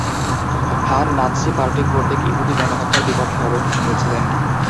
হান Nazi party কর্তৃক ইহুদী গণহত্যার বিপক্ষে অবস্থান নিয়েছিলেন।